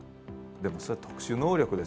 でもそれは特殊能力ですよね